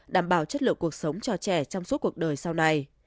đảm bảo chất lượng cuộc sống cho trẻ trong suốt cuộc đời sau này